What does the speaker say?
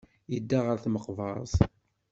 Yedda ɣer tmeqbert.